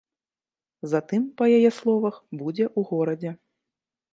Затым, па яе словах, будзе ў горадзе.